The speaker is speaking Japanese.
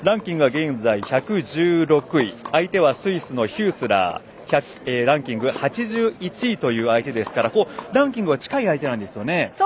現在１１６位相手はスイスのヒュースラーランキング８１という相手ですからランキングは近い相手なんですよね。